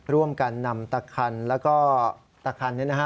ร่วมกันนำตะคันแล้วก็ตะคันนี้นะฮะ